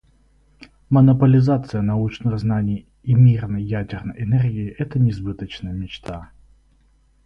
Монополизация научных знаний и мирной ядерной энергии − это несбыточная мечта.